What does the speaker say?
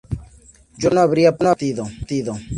yo no habría partido